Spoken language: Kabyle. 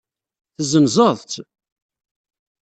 Tezenzeḍ-tt?